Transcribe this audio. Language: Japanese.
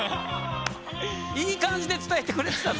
いい感じで伝えてくれてたの？